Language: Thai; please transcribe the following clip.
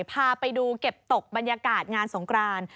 พาไปดูเก็บตกบรรยากาศงานสงคราน